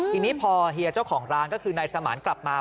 ทีนี้พอเฮียเจ้าของร้านก็คือนายสมานกลับมา